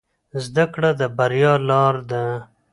زده کړه د بریا لاره ده